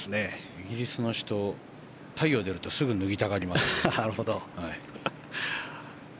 イギリスの人は太陽が出るとすぐに脱ぎたがりますよ。